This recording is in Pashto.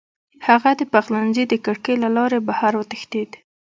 هغه د پخلنځي د کړکۍ له لارې بهر وتښتېد.